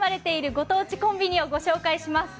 ご当地コンビニをご紹介します。